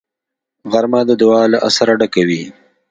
غرمه د دعا له اثره ډکه وي